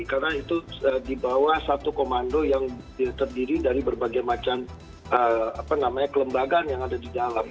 karena itu dibawah satu komando yang terdiri dari berbagai macam kelembagaan yang ada di dalam